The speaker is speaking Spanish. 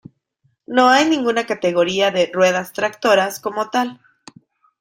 No hay ninguna categoría de "ruedas tractoras" como tal.